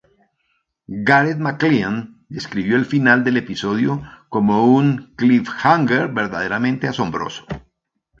Gareth McLean describió el final del episodio como "un cliffhanger verdaderamente asombroso".